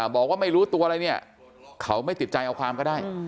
บอกว่าไม่รู้ตัวอะไรเนี่ยเขาไม่ติดใจเอาความก็ได้